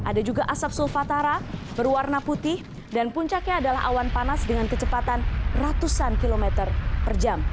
ada juga asap sulfatara berwarna putih dan puncaknya adalah awan panas dengan kecepatan ratusan kilometer per jam